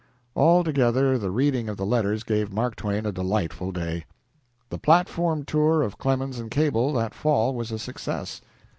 Altogether, the reading of the letters gave Mark Twain a delightful day. The platform tour of Clemens and Cable that fall was a success.